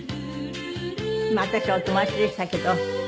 私はお友達でしたけど。